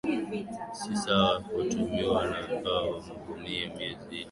siswi na watuhumiwa wa kulipua mabomu miezi iliyopita mjini kigali